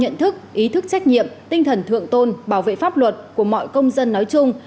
ý thức trách nhiệm tinh thần thượng tôn bảo vệ pháp luật của mọi công dân nói chung